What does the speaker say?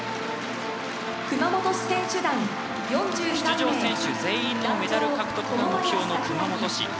出場選手全員のメダル獲得が目標の熊本市。